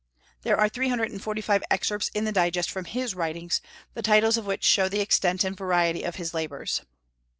There are three hundred and forty five excerpts in the Digest from his writings, the titles of which show the extent and variety of his labors.